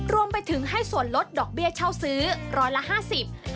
รวมไปถึงให้ส่วนลดดอกเบี้ยเช่าซื้อ๑๐๐ละ๕๐